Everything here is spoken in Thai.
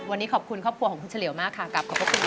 วันนี้ขอบคุณครอบครัวของคุณเฉลี่ยวมากค่ะ